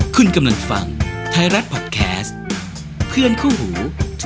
คุณกำลังฟังไทยรัฐพอดแคสต์เพื่อนคู่หู